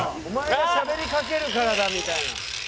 「お前がしゃべりかけるからだみたいな」